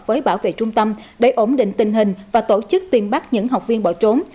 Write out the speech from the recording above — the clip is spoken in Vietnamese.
với bảo vệ trung tâm để ổn định tình hình và tổ chức tìm bắt những học viên bỏ trốn